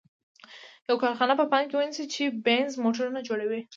یوه کارخانه په پام کې ونیسئ چې بینز موټرونه جوړوي.